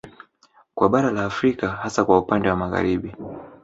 Kwa bara la Afrika hasa kwa upande wa Magharibi